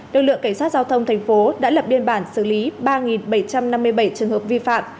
lực lượng cảnh sát giao thông thành phố đã lập biên bản xử lý ba bảy trăm năm mươi bảy trường hợp vi phạm